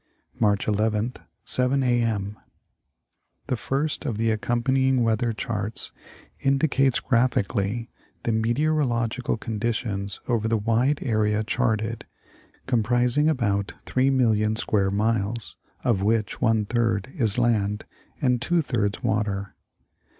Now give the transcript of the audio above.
March 11th, 7 A. M. The first of the accompanying weather charts indicates graphi cally the meteorological conditions over the wide area charted, comprising about 3,000,000 square miles, of which one third is land and two thirds water.